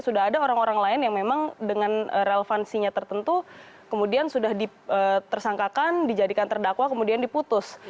sudah ada orang orang lain yang memang dengan relevansinya tertentu kemudian sudah ditersangkakan dijadikan terdakwa kemudian diputus